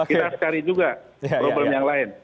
kita harus cari juga problem yang lain